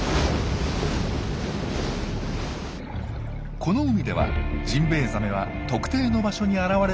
この海ではジンベエザメは特定の場所に現れるといいます。